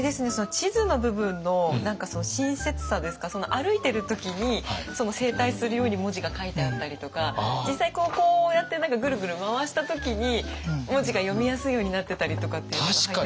地図の部分の親切さですか歩いてる時に正対するように文字が書いてあったりとか実際こうやってぐるぐる回した時に文字が読みやすいようになってたりとかっていうのが入ってます。